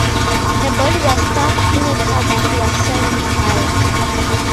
Her body was stuffed in a car that was set on fire.